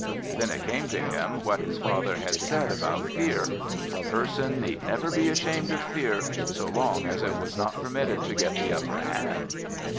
Then it came to him what his father had said about fear: a person need never be ashamed of fear so long as it was not permitted to get the upper hand.